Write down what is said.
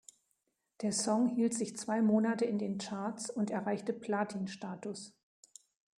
Der Song hielt sich zwei Monate in den Charts und erreichte Platin-Status.